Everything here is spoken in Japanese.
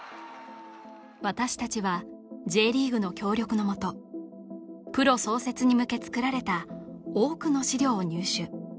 私たちはＪリーグの協力のもとプロ創設に向け作られた多くの資料を入手